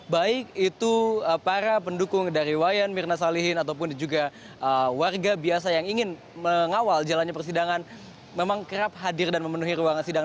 baik itu para pendukung dari wayan mirna salihin ataupun juga warga biasa yang ingin mengawal jalannya persidangan memang kerap hadir dan memenuhi ruangan sidang